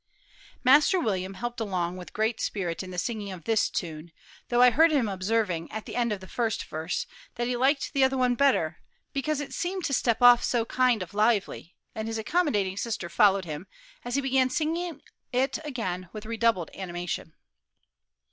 Master William helped along with great spirit in the singing of this tune, though I heard him observing, at the end of the first verse, that he liked the other one better, because "it seemed to step off so kind o' lively;" and his accommodating sister followed him as he began singing it again with redoubled animation.